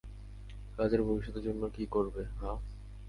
রাজের ভবিষ্যতের জন্যে কী করবে, হা?